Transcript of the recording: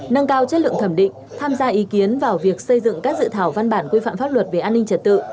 nâng cao chất lượng thẩm định tham gia ý kiến vào việc xây dựng các dự thảo văn bản quy phạm pháp luật về an ninh trật tự